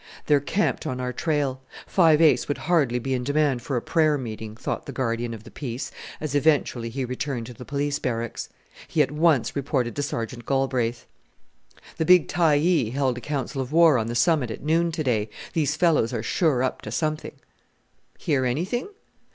"They're camped on our trail. Five Ace would hardly be in demand for a prayer meeting," thought the guardian of the peace, as eventually he returned to the Police Barracks. He at once reported to Sergeant Galbraith. "The big Tyee held a council of war on the summit at noon to day. These fellows are sure up to something." Chinook for Chief. "Hear anything?"